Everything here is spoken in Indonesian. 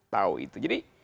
tahu itu jadi